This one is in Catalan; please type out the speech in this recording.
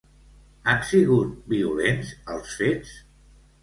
Han sigut violents els fets?